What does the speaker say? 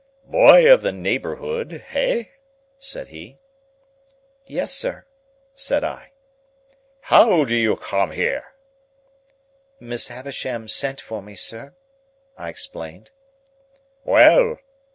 "Boy of the neighbourhood? Hey?" said he. "Yes, sir," said I. "How do you come here?" "Miss Havisham sent for me, sir," I explained. "Well!